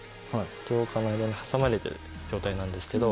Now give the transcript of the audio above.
ジョーカーの間に挟まれてる状態なんですけど。